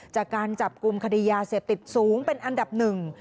จากการจับกลุ่มคดียาเสพติดสูงเป็นอันดับหนึ่ง